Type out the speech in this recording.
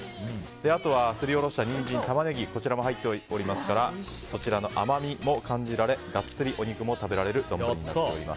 あとは、すりおろしたニンジンタマネギも入っておりますからこちらの甘みも感じられガッツリお肉も食べられる丼になっております。